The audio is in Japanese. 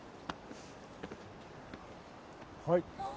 はい。